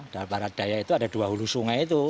dan baradaya itu ada dua hulu sungai itu